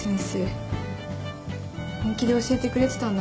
本気で教えてくれてたんだね。